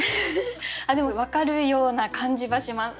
でも分かるような感じはします。